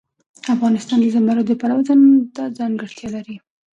افغانستان د زمرد د پلوه ځانته ځانګړتیا لري.